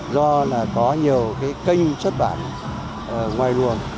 do là có nhiều cái kênh xuất bản ngoài luồng